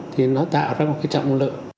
thì nó tạo ra một cái trọng lực